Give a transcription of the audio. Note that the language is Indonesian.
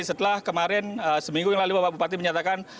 setelah kemarin seminggu yang lalu bapak bupati menyatakan